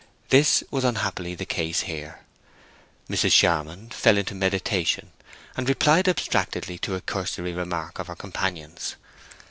This was unhappily the case here. Mrs. Charmond fell into a meditation, and replied abstractedly to a cursory remark of her companion's.